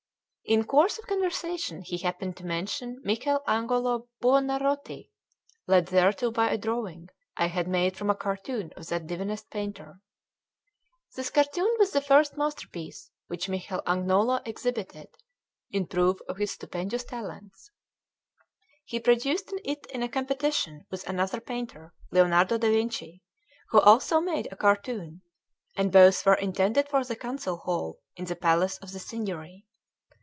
In course of conversation he happened to mention Michel Agnolo Buonarroti, led thereto by a drawing I had made from a cartoon of that divinest painter. This cartoon was the first masterpiece which Michel Agnolo exhibited, in proof of his stupendous talents. He produced it in competition with another painter, Lionardo da Vinci, who also made a cartoon; and both were intended for the council hall in the palace of the Signory.